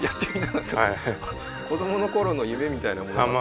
はい子供の頃の夢みたいなものあっ